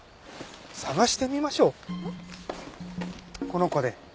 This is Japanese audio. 捜してみましょうこの子で。